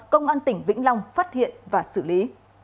công an tỉnh vĩnh long phát hiện và xử lý